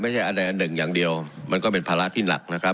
อันใดอันหนึ่งอย่างเดียวมันก็เป็นภาระที่หนักนะครับ